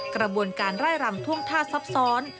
กระบวนการไล่รำท่วงท่าซับซ้อน